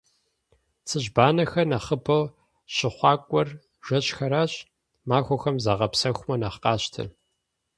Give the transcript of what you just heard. Цыжьбанэхэр нэхъыбэу щыхъуакӏуэр жэщхэращ, махуэхэм загъэпсэхумэ нэхъ къащтэ.